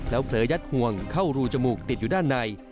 เผลอยัดห่วงเข้ารูจมูกติดอยู่ด้านใน